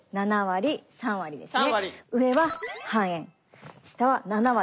７割３割です。